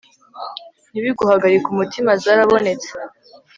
ntibiguhagarike umutima; zarabonetse